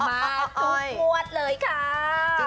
มาทุกงวดเลยค่ะ